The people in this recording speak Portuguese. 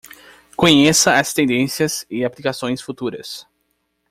Conheça as tendências e aplicações futuras